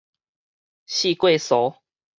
四界趖